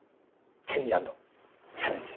チェンジ・アンド・チャレンジ！